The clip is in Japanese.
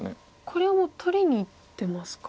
これはもう取りにいってますか？